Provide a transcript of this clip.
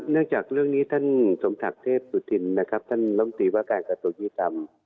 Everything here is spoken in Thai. จากเรื่องนี้ท่านสมศักดิ์เทพสุธินนะครับท่านลำตีว่าการกระทรวงยุติธรรม